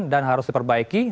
dan harus diperbaiki